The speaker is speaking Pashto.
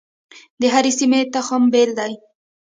د هرې سیمې تخم بیل دی.